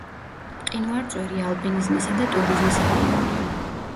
მყინვარწვერი ალპინიზმისა და ტურიზმის რაიონია.